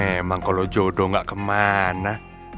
memang kalo jodoh gak kemana